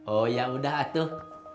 oh yaudah atuh